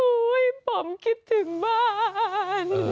อู้้ยผมคิดถึงบ้าน